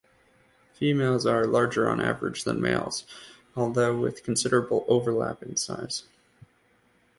Females are larger on average than males, although with considerable overlap in size.